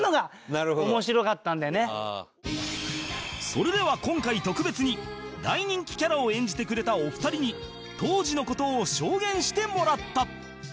それでは今回特別に大人気キャラを演じてくれたお二人に当時の事を証言してもらった